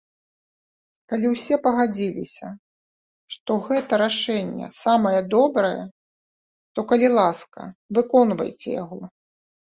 Калі ўсе пагадзіліся, што гэта рашэнне самае добрае, то, калі ласка, выконвайце яго.